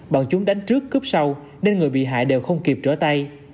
bọn chúng đánh trước cướp sau nên người bị hại đều không kịp trở tay